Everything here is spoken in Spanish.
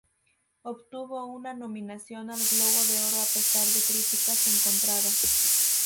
Obtuvo una nominación al Globo de Oro a pesar de críticas encontradas.